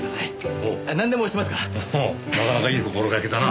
おおなかなかいい心がけだな。